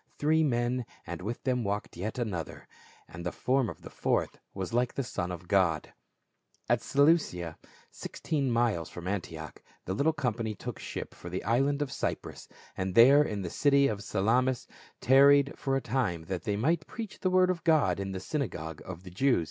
Three men, and with them walked yet another, "and the form of the fourth was like the Son of God." At Seleucia, sixteen miles from Antioch, the little company took ship for the island of Cyprus, and there in the city of Salamis tarried for a time that the}' might preach the word of God in the synagogues of the Jews.